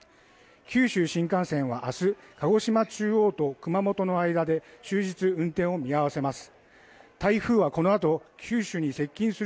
九州新幹線は明日、鹿児島中央と熊本の間で終日運転を見合わせます。